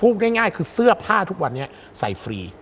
ง่ายคือเสื้อผ้าทุกวันนี้ใส่ฟรี